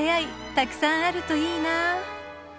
たくさんあるといいな。